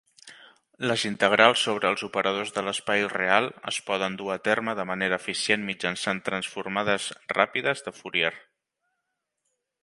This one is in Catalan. Les integrals sobre els operadors de l'espai real es poden dur a terme de manera eficient mitjançant transformades ràpides de Fourier.